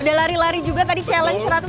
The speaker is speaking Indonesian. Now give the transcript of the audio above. udah lari lari juga tadi challenge rp seratus kan